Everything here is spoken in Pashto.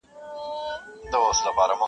د غار خوله کي تاوېدله ګرځېدله.